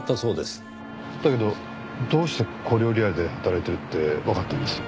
だけどどうして小料理屋で働いてるってわかったんです？